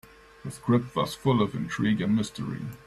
The script was full of intrigue and mystery.